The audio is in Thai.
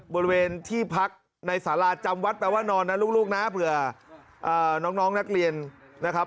บริเวณที่พักในสาราจำวัดแปลว่านอนนะลูกนะเผื่อน้องนักเรียนนะครับ